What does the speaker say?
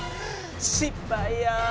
失敗や。